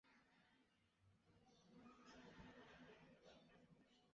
安提柯一世可谓亚历山大大帝去世后继业者中最伟大的军事家。